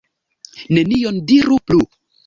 Nenion diru plu.